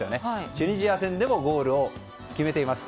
チュニジア戦でもゴールを決めています。